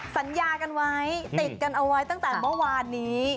สัญญากันไว้ติดกันเอาไว้ตั้งแต่เมื่อวานนี้